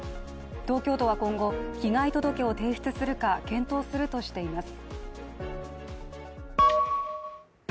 東京都は今後、被害届を提出するか検討するとしています。